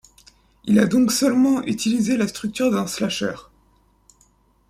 Il a donc seulement utilisé la structure d'un slasher.